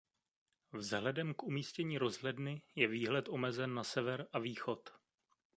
Vzhledem k umístění rozhledny je výhled omezen na sever a východ.